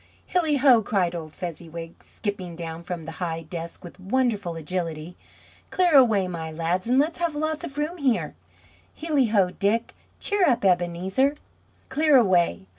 "Hilli ho!" cried old Fezziwig, skipping down from the high desk with wonderful agility. "Clear away, my lads, and let's have lots of room here! Hilli ho, Dick! Cheer up, Ebenezer!" Clear away!